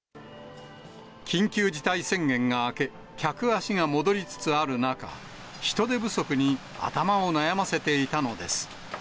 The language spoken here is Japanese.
緊急事態宣言が明け、客足が戻りつつある中、人手不足に頭を悩ませていたのです。